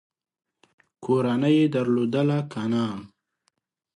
کورنۍ یې درلودله که نه ؟